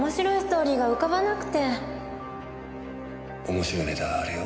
面白いネタあるよ。